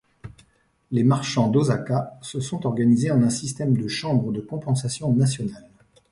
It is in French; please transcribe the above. Les marchands d'Osaka se sont organisés en un système de chambre de compensation national.